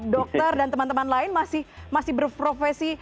dokter dan teman teman lain masih berprofesi